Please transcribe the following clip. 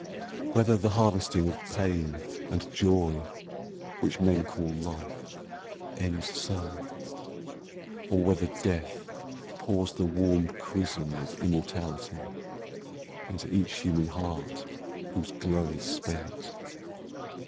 Whether the harvesting of pain and joy Which men call Life ends so, or whether death Pours the warm chrism of Immortality Into each human heart whose glow is spent.